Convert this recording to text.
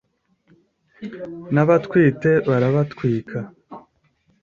N'abatwite barabatwika